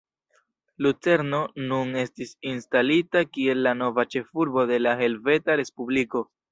Lucerno nun estis instalita kiel la nova ĉefurbo de la Helveta Respubliko.